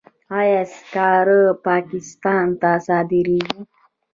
آیا سکاره پاکستان ته صادریږي؟